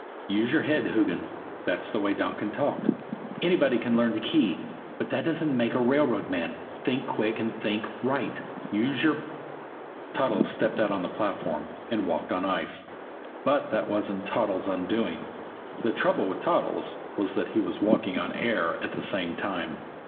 "Use your head, Hoogan" that's the way Donkin talked "anybody can learn a key, but that doesn't make a railroad man think quick and think right. Use your " Toddles stepped out on the platform and walked on ice. But that wasn't Toddles' undoing. The trouble with Toddles was that he was walking on air at the same time.